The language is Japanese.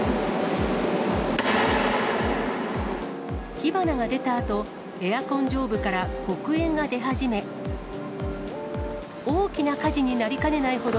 火花が出たあと、エアコン上部から黒煙が出始め、大きな火事になりかねないほど、